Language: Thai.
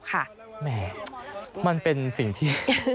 แหมมันเป็นสิ่งที่